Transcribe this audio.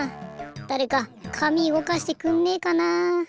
だれか紙うごかしてくんねえかな。